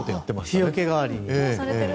日よけ代わりに。